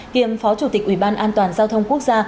kiêm phó chủ tịch uban giao thông quốc gia